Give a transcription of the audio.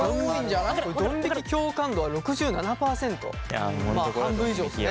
ドン引き共感度は６７％半分以上ですね。